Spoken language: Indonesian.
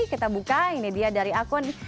kita buka ini dia dari akun